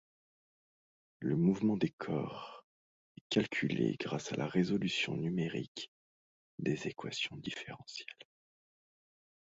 Le mouvement des corps est calculé grâce à la résolution numérique des équations différentielles.